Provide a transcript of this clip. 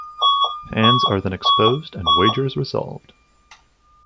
Hands are then exposed and wagers resolved.